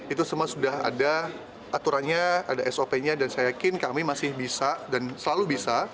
itu semua sudah ada aturannya ada sop nya dan saya yakin kami masih bisa dan selalu bisa